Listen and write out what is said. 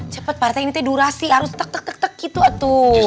cepet parete ini durasi harus tek tek tek gitu atuh